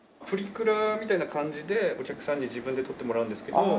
プリクラみたいな感じでお客さんに自分で撮ってもらうんですけど